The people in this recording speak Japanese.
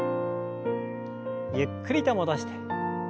ゆっくりと戻して。